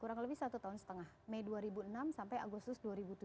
kurang lebih satu tahun setengah mei dua ribu enam sampai agustus dua ribu tujuh belas